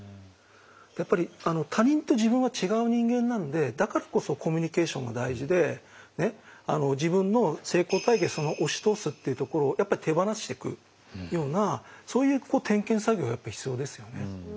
やっぱり他人と自分は違う人間なのでだからこそコミュニケーションが大事で自分の成功体験を押し通すっていうところを手放してくようなそういう点検作業やっぱ必要ですよね。